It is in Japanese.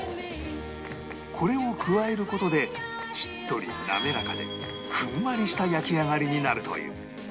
これを加える事でしっとり滑らかでふんわりした焼き上がりになるという